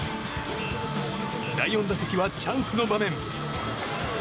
第４打席はチャンスの場面。